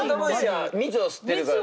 蜜を吸ってるから。